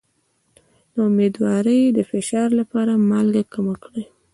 د امیدوارۍ د فشار لپاره مالګه کمه کړئ